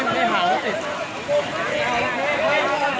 ตลงที่โรงสี่